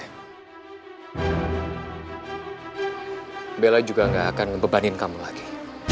beli belah juga gak akan membebani kamu lagi